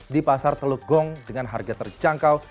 di pasar teluk gong dengan harga terjangkau